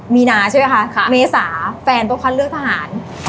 มีนาใช่ไหมคะเมษาแฟนตูขั้นเลือกทหาร